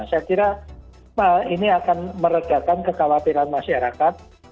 saya kira ini akan meredakan kekhawatiran masyarakat